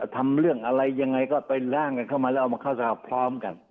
ทำเรื่องอะไรยังไงก็ไปร่างกันเข้ามาแล้วเอามาเข้าสภาพร้อมกัน